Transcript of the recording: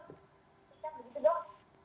ya begitu dok